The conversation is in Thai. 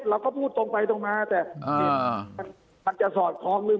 เราก็พูดตรงไปตรงมาแต่มันจะสอดคล้องเรื่อง